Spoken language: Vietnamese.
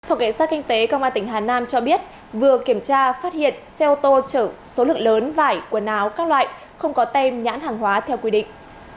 phòng cảnh sát kinh tế công an tỉnh hà nam cho biết vừa kiểm tra phát hiện xe ô tô chở số lượng lớn vải quần áo các loại không có tem nhãn hàng hóa theo quy định